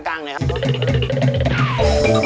ซาวไหม